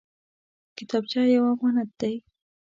کتابچه یو امانت دی